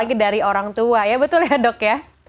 untuk orang tua ya betul ya dok ya